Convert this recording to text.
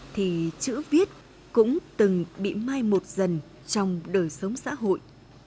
thì chữ viết cũng từng bị mai một dần trong đời sống xã hội